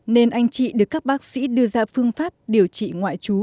nên anh chị được các bác sĩ đưa ra phương pháp điều trị ngoại trú